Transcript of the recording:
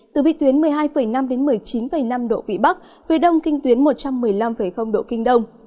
từ vị tuyến một mươi hai năm đến một mươi chín năm độ vị bắc phía đông kinh tuyến một trăm một mươi năm độ kinh đông